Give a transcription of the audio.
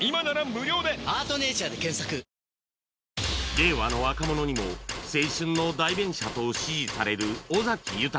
令和の若者にも「青春の代弁者」と支持される尾崎豊